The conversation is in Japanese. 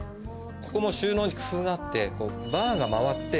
ここも収納に工夫があって。